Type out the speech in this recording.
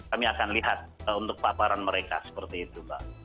kami akan lihat untuk paparan mereka seperti itu mbak